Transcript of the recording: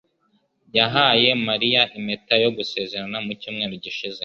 yahaye Mariya impeta yo gusezerana mu cyumweru gishize.